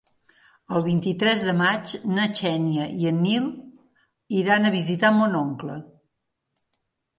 El vint-i-tres de maig na Xènia i en Nil iran a visitar mon oncle.